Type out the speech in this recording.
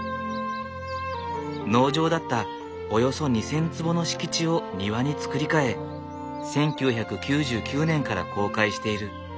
農場だったおよそ２，０００坪の敷地を庭に造り替え１９９９年から公開している。